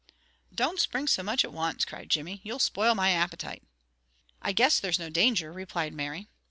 "Don't spring so much at wance!" cried Jimmy, "you'll spoil my appetite." "I guess there's no danger," replied Mary.